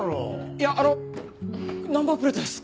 いやあのナンバープレートです。